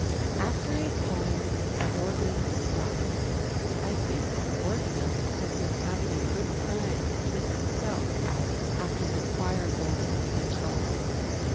After a time, the organ stopped. I think the organist had been having a good time to himself after the choir boys had gone.